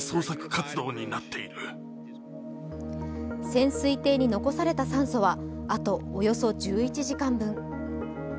潜水艇に残された酸素はあとおよそ１１時間です。